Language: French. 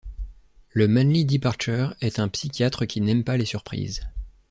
Le Manly Departure est un psychiatre qui n'aime pas les surprises.